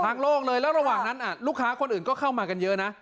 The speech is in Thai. โลกเลยแล้วระหว่างนั้นลูกค้าคนอื่นก็เข้ามากันเยอะนะ